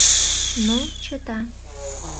Но чыта.